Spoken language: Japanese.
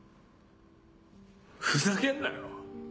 ふざけんなよ。